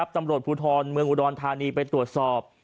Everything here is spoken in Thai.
ตำรวจภูทรเมืองอุดรธานีไปตรวจสอบ